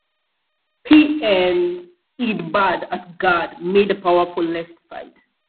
He and Ed Budde at guard made a powerful left side.